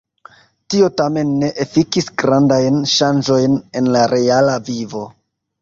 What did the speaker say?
Tio tamen ne efikis grandajn ŝanĝojn en la reala vivo.